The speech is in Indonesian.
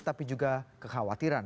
tapi juga kekhawatiran